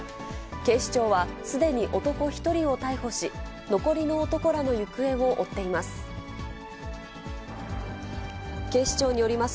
警視庁は、すでに男１人を逮捕し、残りの男らの行方を追っています。